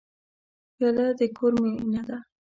پیاله د کور مینه ده.